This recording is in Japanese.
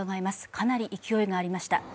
かなり勢いがありました。